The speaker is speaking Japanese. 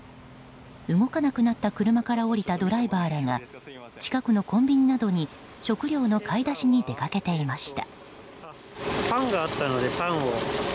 動かなくなった車から降りたドライバーらが近くのコンビニなどに食料の買い出しに出かけていました。